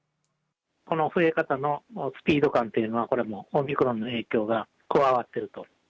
この増え方のスピード感というのは、これはもうオミクロンの影響が加わってると。